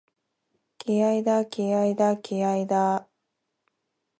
気合いだ、気合いだ、気合いだーっ！！！